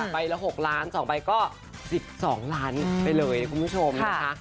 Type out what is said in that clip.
ละ๖ล้าน๒ใบก็๑๒ล้านไปเลยคุณผู้ชมนะคะ